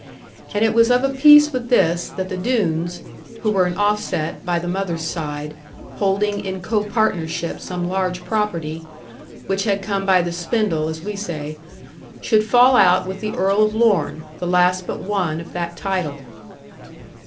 And it was of a piece with this, that the Doones (who were an offset, by the mother's side, holding in co partnership some large property, which had come by the spindle, as we say) should fall out with the Earl of Lorne, the last but one of that title.